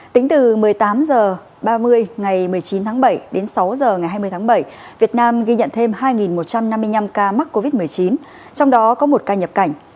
tính từ một mươi tám h ba mươi ngày một mươi chín tháng bảy đến sáu h ngày hai mươi tháng bảy việt nam ghi nhận thêm hai một trăm năm mươi năm ca mắc covid một mươi chín trong đó có một ca nhập cảnh